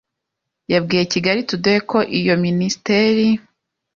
yabwiye Kigali Today ko iyo Minisiteri,